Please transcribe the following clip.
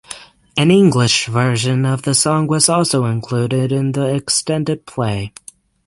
An English version of the song was also included in the extended play.